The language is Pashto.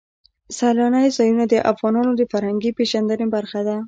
سیلانی ځایونه د افغانانو د فرهنګي پیژندنې برخه ده.